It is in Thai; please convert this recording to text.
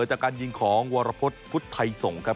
จากการยิงของวรพฤษพุทธไทยส่งครับ